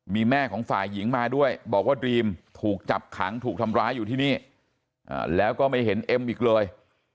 มีแม่ของฝ่ายหญิงมาด้วยบอกว่าดรีมถูกจับขังถูกทำร้ายอยู่ที่นี่แล้วก็ไม่เห็นเอ็มอีกเลย